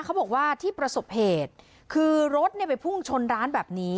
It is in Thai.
เขาบอกว่าที่ประสบเหตุคือรถเนี่ยไปพุ่งชนร้านแบบนี้